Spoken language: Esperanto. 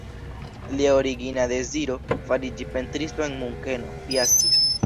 Lia origina deziro, fariĝi pentristo en Munkeno, fiaskis.